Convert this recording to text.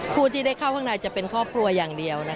ผู้ที่ได้เข้าข้างในจะเป็นครอบครัวอย่างเดียว